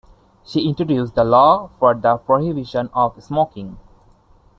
She introduced the law for the prohibition of smoking.